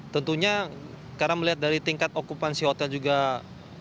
tentunya karena melihat dari tingkat okupansi hotel juga meningkat